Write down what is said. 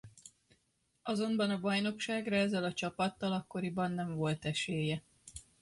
Azonban a bajnokságra ezzel a csapattal akkoriban nem volt esélye.